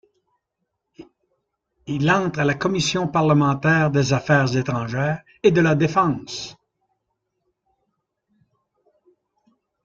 Il entre à la commission parlementaire des Affaires étrangères et de la Défense.